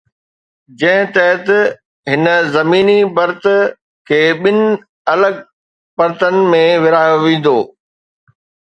جنهن تحت هن زميني پرت کي ٻن الڳ پرتن ۾ ورهايو ويندو.